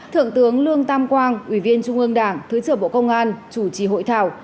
thượng tướng lương tam quang ủy viên trung ương đảng thứ trưởng bộ công an chủ trì hội thảo